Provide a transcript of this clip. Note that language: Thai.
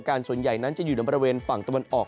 ส่วนใหญ่นั้นจะอยู่ในบริเวณฝั่งตะวันออก